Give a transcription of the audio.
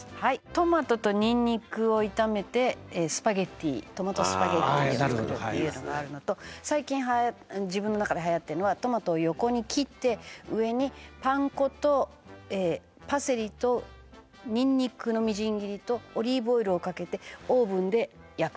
トマトとニンニクを炒めてスパゲティトマトスパゲティを作るっていうのがあるのと最近自分の中で流行ってるのはトマトを横に切って上にパン粉とパセリとニンニクのみじん切りとオリーブオイルをかけてオーブンで焼く。